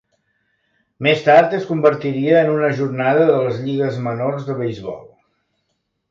Més tard es convertiria en una jornada de les lligues menors de beisbol.